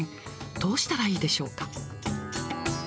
どうしたらいいでしょうか。